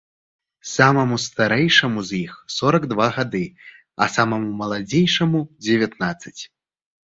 Самаму старэйшаму з іх сорак два гады, а самаму маладзейшаму дзевятнаццаць.